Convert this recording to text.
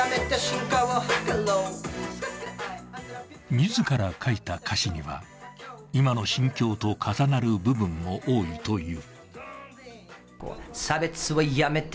自ら書いた歌詞には今の心境と重なる部分も多いという。